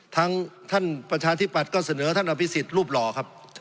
ท่านประชาธิปัตย์ก็เสนอท่านอภิษฎรูปหล่อครับ